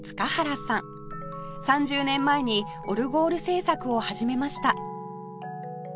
３０年前にオルゴール制作を始めました